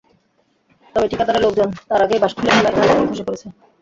তবে ঠিকাদারের লোকজন তার আগেই বাঁশ খুলে ফেলায় ঘাটলাটি ধসে পড়েছে।